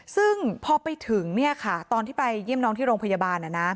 ซึ่งพอไปถึงตอนที่ไปเยี่ยมน้องที่โรงพยาบาล